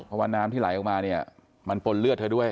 เพราะว่าน้ำที่ไหลออกมาเนี่ยมันปนเลือดเธอด้วย